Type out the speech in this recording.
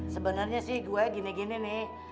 sebenarnya sih gue gini gini nih